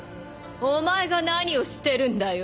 ・お前が何をしてるんだよ。